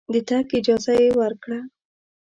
د تګ اجازه یې ورکړه.